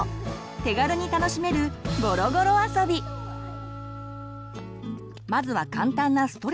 手軽に楽しめるまずは簡単なストレッチから。